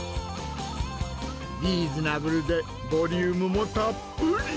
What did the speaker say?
リーズナブルでボリュームもたっぷり。